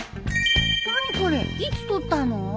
何これいつ撮ったの？